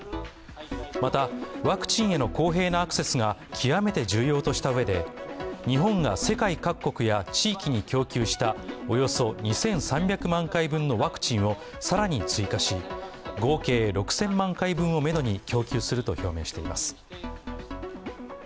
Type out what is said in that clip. また、ワクチンへの公平なアクセスが極めて重要としたうえで、日本が世界各国や地域に供給したおよそ２３００万回分のワクチンを更に追加し、合計６０００万回分をめどに供給すると表明しています。